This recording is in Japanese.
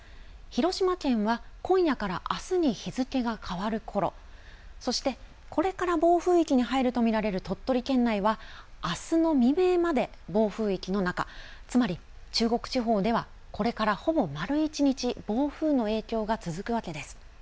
広島県は今夜からあすに日付が変わるころ、そしてこれから暴風域に入ると見られる鳥取県内はあすの未明まで暴風域の中、つまり中国地方ではこれからほぼ丸一日暴風の影響が続くわけです。